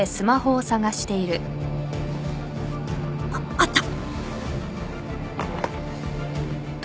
あっあった！